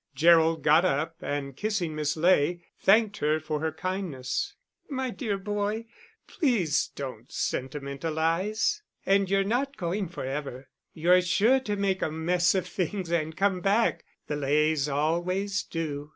Gerald got up, and kissing Miss Ley, thanked her for her kindness. "My dear boy, please don't sentimentalise. And you're not going for ever. You're sure to make a mess of things and come back the Leys always do."